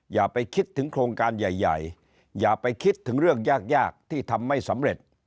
อย่าไปคิดถึงโครงการใหญ่อย่าไปคิดถึงเรื่องยากที่ทำไม่สำเร็จ